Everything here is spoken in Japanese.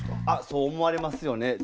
あっそう思われますよね。